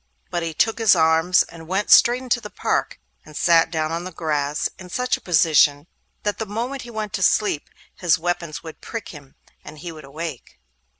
But he took his arms, and went straight into the park, and sat down on the grass in such a position that the moment he went asleep his weapons would prick him, and he would awake.